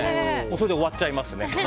それで終わっちゃいます。